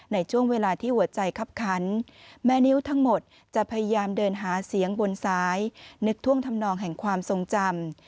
ในช่วงเวลาที่หัวใจคับคันแม่นิ้วทั้งหมดจะพยายามเดินหาเสียงบนซ้ายนึกท่วงทำนองแห่งความทรงจำ